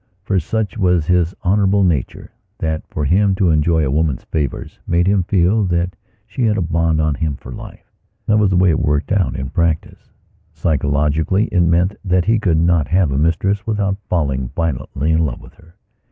For, such was his honourable nature, that for him to enjoy a woman's favours made him feel that she had a bond on him for life. That was the way it worked out in practice. Psychologically it meant that he could not have a mistress without falling violently in love with her.